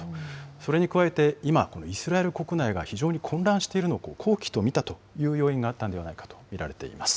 それに加えて、今、イスラエル国内が非常に混乱しているのを好機と見たという要因があったんではないかと見られています。